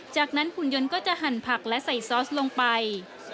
จากนั้นหุ่นยนต์ก็จะหั่นผักและใส่ซอสลงไป